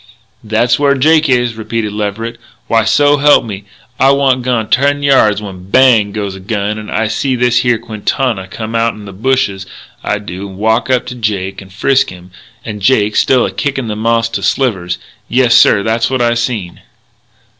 "That's where Jake is," repeated Leverett. "Why, so help me, I wa'nt gone ten yards when, bang! goes a gun, and I see this here Quintana come outen the bush, I do, and walk up to Jake and frisk him, and Jake still a kickin' the moss to slivers. Yessir, that's what I seen."